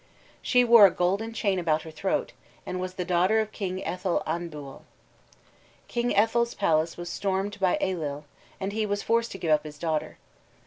She wore a golden chain about her throat, and was the daughter of King Ethal Anbual. King Ethal's palace was stormed by Ailill, and he was forced to give up his daughter.